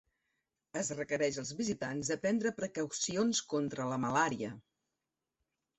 Es requereix als visitants de prendre precaucions contra la malària.